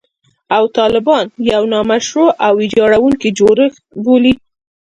او طالبان یو «نامشروع او ویجاړوونکی جوړښت» بولي